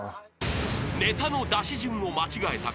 ［ネタの出し順を間違えたか］